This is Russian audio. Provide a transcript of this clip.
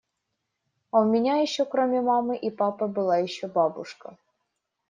А у меня ещё, кроме мамы и папы, была ещё бабушка.